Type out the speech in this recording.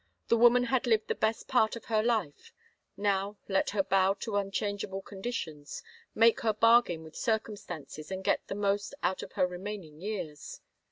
The woman had lived the best part of her life; now let her bow to unchangeable conditions, make her bargain with circumstances and get the most out of her remaining years.